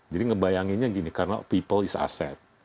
jadi ngebayanginnya gini karena people is asset